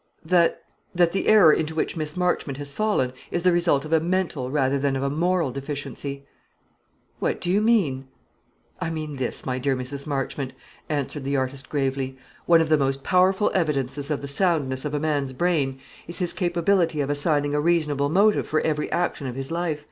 "That that the error into which Miss Marchmont has fallen is the result of a mental rather than of a moral deficiency." "What do you mean?" "I mean this, my dear Mrs. Marchmont," answered the artist, gravely; "one of the most powerful evidences of the soundness of a man's brain is his capability of assigning a reasonable motive for every action of his life.